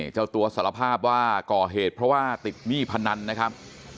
เจ้าตัวสารภาพว่าก่อเหตุเพราะว่าติดหนี้พนันนะครับ